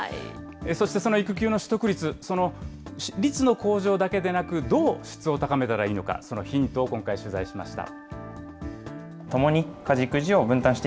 そしてその育休の取得率、その率の向上だけでなく、どう質を高めたらいいのか、そのヒントを今回取材しました。